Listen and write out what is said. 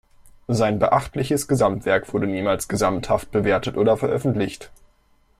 Sein beachtliches Gesamtwerk wurde niemals gesamthaft bewertet oder veröffentlicht.